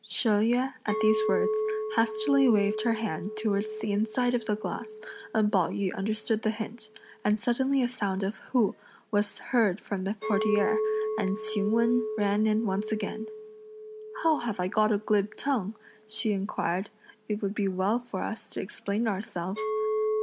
She Yüeh at these words hastily waved her hand towards the inside of the glass, and Pao yü understood the hint; and suddenly a sound of "hu" was heard from the portiere, and Ch'ing Wen ran in once again. "How have I got a glib tongue?" she inquired; "it would be well for us to explain ourselves."